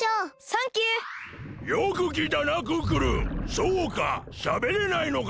そうかしゃべれないのか！